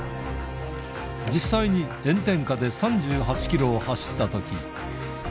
実際に炎天下で３８キロを走ったとき。